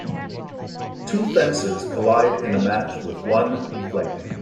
Two fencers collide in a match with one deflecting.